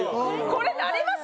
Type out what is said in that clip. これなります？